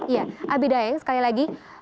ya abidaheng sekali lagi